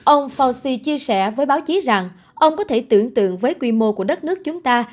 ông fauci chia sẻ với báo chí rằng ông có thể tưởng tượng với quy mô của đất nước chúng ta